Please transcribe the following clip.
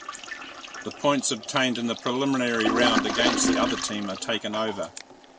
The points obtained in the preliminary round against the other team are taken over.